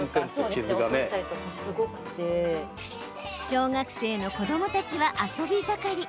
小学生の子どもたちは遊び盛り。